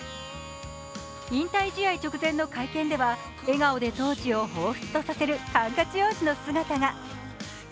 引退試合直前の会見では笑顔で当時を彷彿とさせるハンカチ王子の姿が。